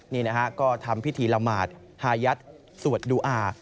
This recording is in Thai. นี่นะฮะก็ทำพิธีละหมาดฮายัดสวดดูอา